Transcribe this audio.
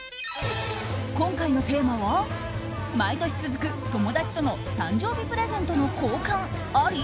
今回のテーマは毎年続く友達との誕生日プレゼントの交換あり？